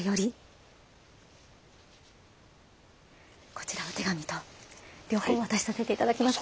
こちらお手紙と両方お渡しさせて頂きます。